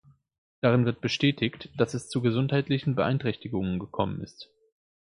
Darin wird bestätigt, dass es zu gesundheitlichen Beeinträchtigungen gekommen ist.